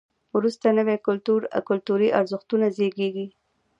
وروسته نوي کلتوري ارزښتونه زیږېږي.